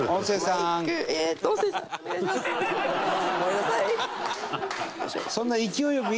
ごめんなさい。